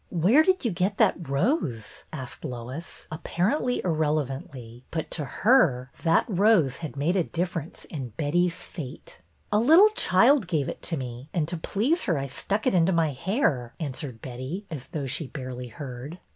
''Where did you get that rose?'' asked Lois, apparently irrelevantly ; but to her that rose had made a difference in Betty's fate. " A little child gave it to me and to please her I stuck it into my hair," answered Betty, as though she barely heard.